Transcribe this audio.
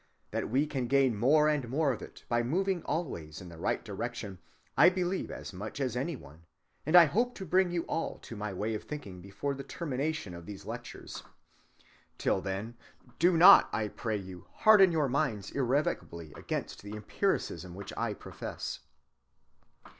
That we can gain more and more of it by moving always in the right direction, I believe as much as any one, and I hope to bring you all to my way of thinking before the termination of these lectures. Till then, do not, I pray you, harden your minds irrevocably against the empiricism which I profess.